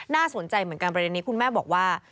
สนใจเหมือนกันประเด็นนี้คุณแม่บอกว่า